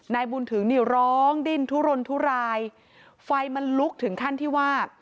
นายบุญถึงนี่ร้องดิ้นทุรนทุรายไฟมันลุกถึงขั้นที่ว่า